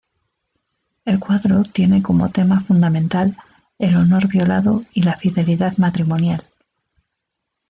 El cuadro tiene como tema fundamental el honor violado y la fidelidad matrimonial.